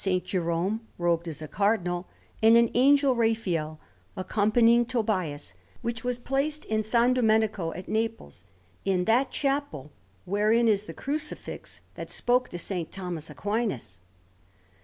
Jerome robed as a Cardinal, and an Angel Raphael accompanying Tobias, which was placed in S. Domenico at Naples, in that chapel wherein is the Crucifix that spoke to S. Thomas Aquinas.